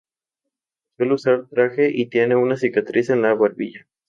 Suele usar traje y tiene una cicatriz en la barbilla.